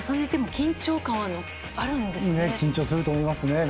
緊張すると思いますね。